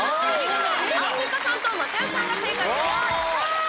アンミカさんと松也さんが正解です。